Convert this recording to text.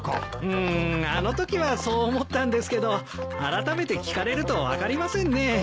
うーんあのときはそう思ったんですけどあらためて聞かれると分かりませんねぇ。